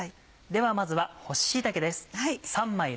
ではまずは干し椎茸です。